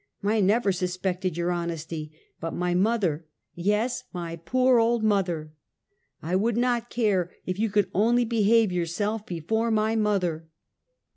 I never suspected your honesty, but my mother, yes, my poor old mother. I would not care, if you could only be have yourself before my mother!